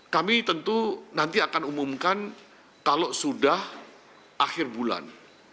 kami tentu nanti akan umumkan kalau sudah akhir bulan